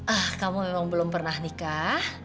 ah kamu memang belum pernah nikah